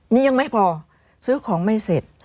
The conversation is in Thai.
นี่ยังไม่พอซื้อของไม่เสร็จ